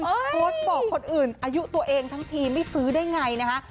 โพสต์บอกคนอื่นอายุตัวเองทั้งทีไม่ซื้อได้ไงนะฮะ